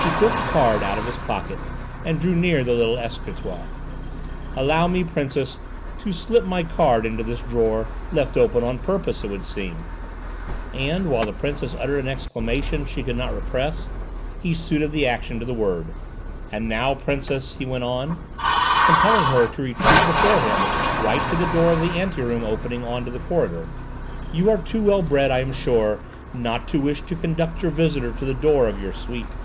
He took a card out of his pocket and drew near the little escritoire. "Allow me, Princess, to slip my card into this drawer, left open on purpose, it would seem," and while the Princess uttered an exclamation she could not repress, he suited the action to the word. "And now, Princess," he went on, compelling her to retreat before him right to the door of the anteroom opening on to the corridor, "you are too well bred, I am sure, not to wish to conduct your visitor to the door of your suite."